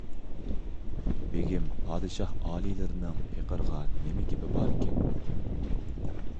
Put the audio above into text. بېگىم، پادىشاھ ئالىيلىرىنىڭ پېقىرغا نېمە گېپى بار ئىكىن؟